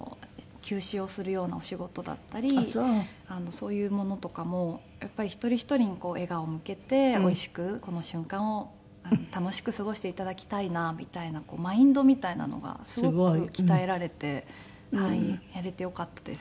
そういうものとかもやっぱり一人一人に笑顔を向けておいしくこの瞬間を楽しく過ごして頂きたいなみたいなマインドみたいなのがすごく鍛えられてやれてよかったです。